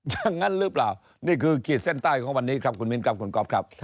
อย่างนั้นหรือเปล่านี่คือขีดเส้นใต้ของวันนี้ครับคุณมิ้นครับคุณก๊อฟครับ